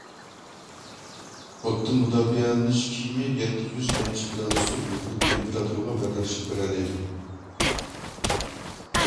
ئوتتىن مۇداپىئەلىنىش كىيىمى يەتتە يۈز نەچچە گرادۇسلۇق يۇقىرى تېمپېراتۇرىغا بەرداشلىق بېرەلەيدۇ.